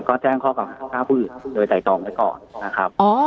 ก็แจ้งข้อประหลาดค่าผู้อื่นโดยตายตองไว้ก่อนนะครับอ๋อ